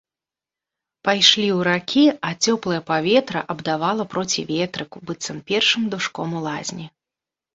Пайшлі ў ракі, а цёплае паветра абдавала проці ветрыку, быццам першым душком у лазні.